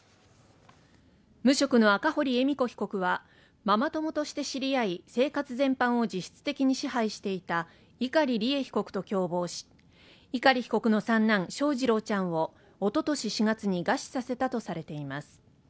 無職の赤堀恵美子被告はママ友として知り合い生活全般を実質的に支配していた碇利恵被告と共謀し碇被告の三男翔士郎ちゃんをおととし４月に餓死させたとされています